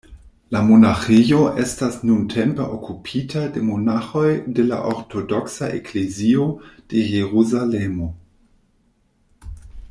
La monaĥejo estas nuntempe okupita de monaĥoj de la Ortodoksa Eklezio de Jerusalemo.